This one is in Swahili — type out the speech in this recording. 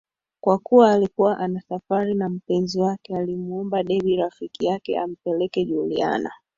Kwa kuwa alikuwa ana safari na mpenzi wake alimuomba Debby Rafiki yake ampeleke Juliana